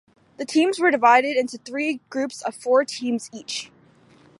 The teams were divided into three groups of four teams each.